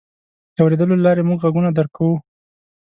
د اورېدلو له لارې موږ غږونه درک کوو.